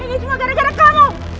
ini semua gara gara kamu